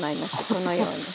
このように。